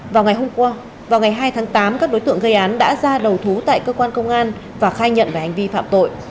vào ngày hôm qua vào ngày hai tháng tám các đối tượng gây án đã ra đầu thú tại cơ quan công an và khai nhận về hành vi phạm tội